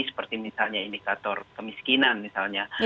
seperti misalnya indikator kemiskinan misalnya